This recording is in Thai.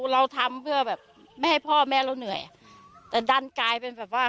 เราทำเพื่อแบบไม่ให้พ่อแม่เราเหนื่อยแต่ดันกลายเป็นแบบว่า